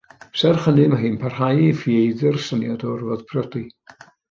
Serch hynny, mae hi'n parhau i ffieiddio'r syniad o orfod priodi.